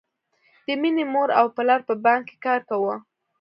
د مینې مور او پلار په بانک کې کار کاوه